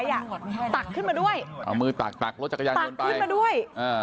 ตักขึ้นมาด้วยตักขึ้นมาด้วย